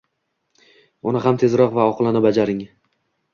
Uni ham tezroq va oqilona bajaring.